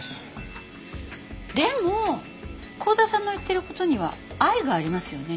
でも幸田さんの言ってる事には愛がありますよね。